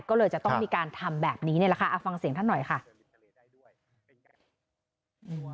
ก็เลยจะต้องมีการทำแบบนี้อฟังเสียงนี้ครับ